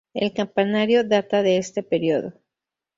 El campanario data de este periodo.